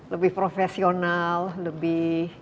lebih profesional lebih